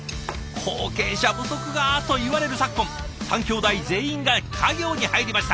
後継者不足がといわれる昨今３兄弟全員が家業に入りました。